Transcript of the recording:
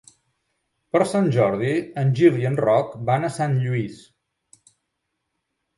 Per Sant Jordi en Gil i en Roc van a Sant Lluís.